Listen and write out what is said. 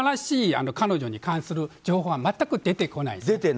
彼女に関する新しい情報は全く出てこないです。